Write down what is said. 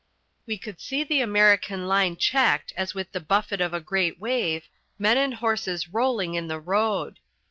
We could see the American line checked as with the buffet of a great wave, men and horses rolling in the road.